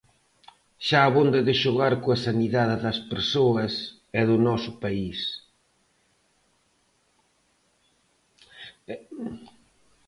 Xa abonda de xogar coa sanidade das persoas e do noso país.